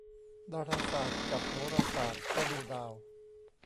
ดาราศาสตร์กับโหราศาสตร์ก็ดูดาว